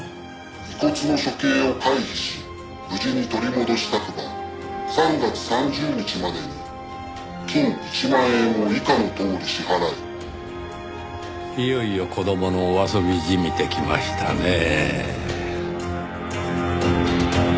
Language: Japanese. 「遺骨の処刑を回避し無事に取り戻したくば三月三十日までに金壱萬圓を以下のとおり支払え」いよいよ子供のお遊びじみてきましたねぇ。